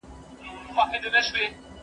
نه بيزو وه نه وياله وه نه گودر وو